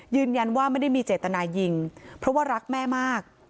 ยืนยันว่าไม่ได้มีเจตนายิงเพราะว่ารักแม่มาก